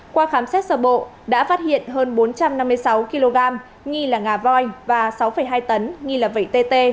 qua khám xét sở bộ đã phát hiện hơn bốn trăm năm mươi sáu kg nghi là nga voi và sáu hai tấn nghi là vtt